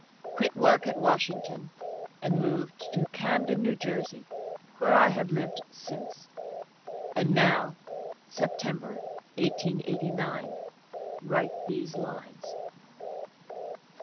Quit work at Washington, and moved to Camden, New Jersey — where I have lived since, and now, (September, 1889,) write these lines.